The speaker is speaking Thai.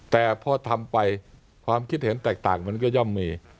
แต่พอทำไปความคิดเห็นแตกต่างมันก็ย่อมมี